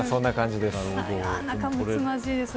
仲むつまじいですが。